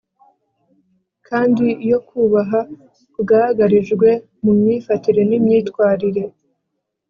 kandi iyo kubaha kugaragarijwe mu myifatire n'imyitwarire